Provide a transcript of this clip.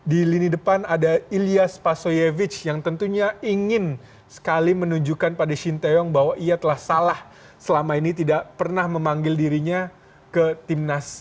di lini depan ada ilyas pasoyevic yang tentunya ingin sekali menunjukkan pada shin taeyong bahwa ia telah salah selama ini tidak pernah memanggil dirinya ke timnas